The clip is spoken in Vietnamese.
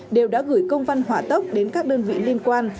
đều đã gửi công văn hỏa tốc đến các đơn vị liên quan